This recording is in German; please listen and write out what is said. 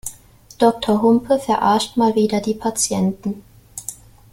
Doktor Humpe verarscht mal wieder die Patienten.